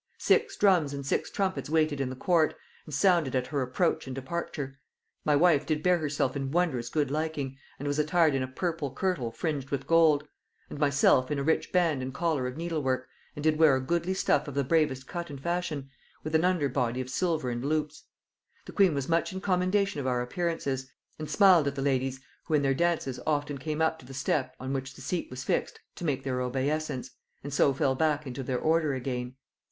Six drums and six trumpets waited in the court, and sounded at her approach and departure. My wife did bear herself in wonderous good liking, and was attired in a purple kirtle fringed with gold; and myself in a rich band and collar of needlework, and did wear a goodly stuff of the bravest cut and fashion, with an under body of silver and loops. The queen was much in commendation of our appearances, and smiled at the ladies who in their dances often came up to the step on which the seat was fixed to make their obeisance, and so fell back into their order again.